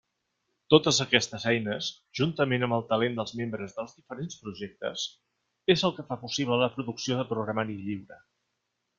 Totes aquestes eines, juntament amb el talent dels membres dels diferents projectes, és el que fa possible la producció de programari lliure.